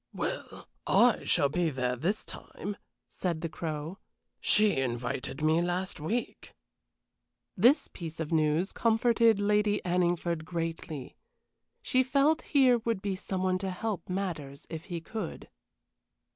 "Well, I shall be there this time," said the Crow; "she invited me last week." This piece of news comforted Lady Anningford greatly. She felt here would be some one to help matters if he could.